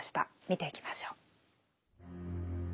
見ていきましょう。